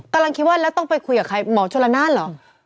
กำลังคิดว่าแล้วต้องไปคุยกับใครหมอชลนานเหรอ